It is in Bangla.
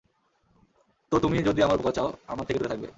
তো তুমি যদি আমার উপকার চাও, আমার থেকে দূরে থাকবে।